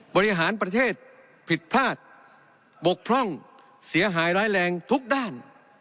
บริหารประเทศผิดพลาดบกพร่องเสียหายร้ายแรงทุกด้าน